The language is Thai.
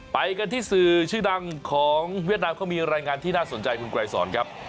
ไปกันที่สื่อชื่อดังของเวียดนามเขามีรายงานที่น่าสนใจคุณไกรสอนครับ